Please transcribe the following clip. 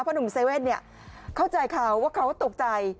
หนุ่มเซเว่นเข้าใจเขาว่าเขาตกใจ